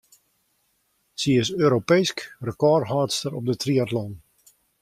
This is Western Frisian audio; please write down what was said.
Sy is Europeesk rekôrhâldster op de triatlon.